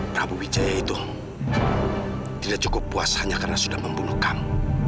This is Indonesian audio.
prabu wijaya itu tidak cukup puas hanya karena sudah membunuh kamu